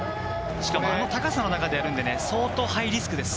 しかも、あの高さの中でやるので相当ハイリスクです。